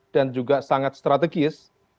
dan juga sangat strategis